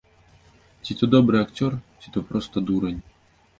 Ці то добры акцёр, ці то проста дурань.